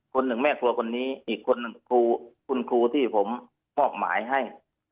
คุณแม่ครัวคนนี้อีกคนหนึ่งครูคุณครูที่ผมมอบหมายให้